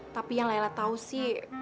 tapi yang lela tau sih